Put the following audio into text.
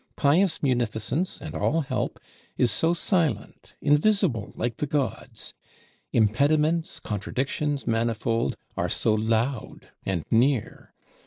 Pious munificence, and all help, is so silent, invisible like the gods; impediments, contradictions manifold, are so loud and near!